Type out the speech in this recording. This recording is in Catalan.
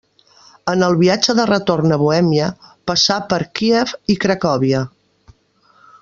En el viatge de retorn a Bohèmia, passà per Kíev i Cracòvia.